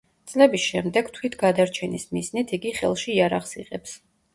წლების შემდეგ, თვითგადარჩენის მიზნით, იგი ხელში იარაღს იღებს.